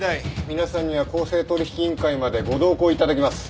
皆さんには公正取引委員会までご同行いただきます。